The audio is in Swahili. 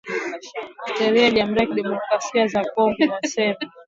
Sheria ya jamuri ya ki democracia ya kongo ina sema ata mu ndowa wa chumbe